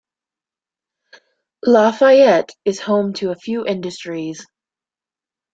Lafayette is home to a few industries.